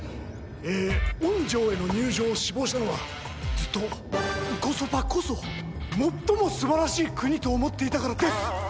えー御城への入城を志望したのはずっとンコソパこそ最も素晴らしい国と思っていたからです！